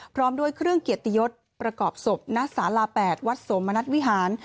พร้อมด้วยเครื่องเกียรติยศประกอบศพณศาลา๘วัดสมณัฐวิหาร